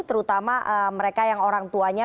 terutama mereka yang orang tuanya